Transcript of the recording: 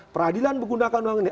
peradilan menggunakan uang ini